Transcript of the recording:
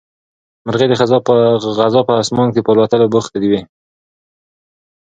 مرغۍ د غزا په اسمان کې په الوتلو بوختې وې.